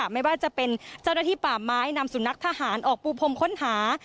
ไม่ว่าจะเป็นเจ้าหน้าที่ป่าไม้นำสุนัขทหารออกปูพรมค้นหา